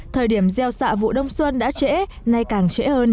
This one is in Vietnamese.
thời điểm gieo xạ vụ đông xuân đã trễ nay càng trễ hơn